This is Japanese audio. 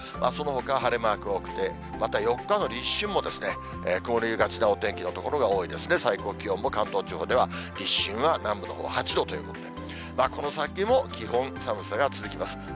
そのほか晴れマーク多くて、また４日の立春もですね、曇りがちなお天気の所が多いですね、最高気温も関東地方では、立春は、南部のほう８度ということで、この先も基本、寒さが続きます。